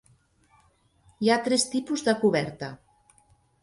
Hi ha tres tipus de coberta.